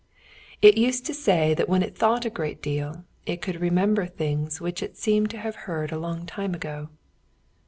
It used to say that when it thought a great deal it could remember things which it seemed to have heard a long time ago.